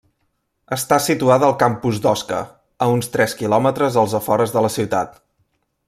Està situada al campus d'Osca, a uns tres quilòmetres als afores de la ciutat.